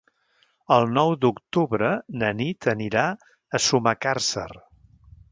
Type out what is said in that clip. El nou d'octubre na Nit anirà a Sumacàrcer.